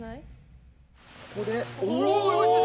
ここで？